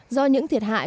do những thiệt hại